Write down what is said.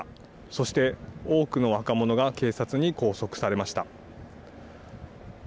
そして多くの若者が警察に拘束されました。